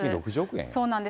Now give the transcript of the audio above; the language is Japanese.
そうなんです。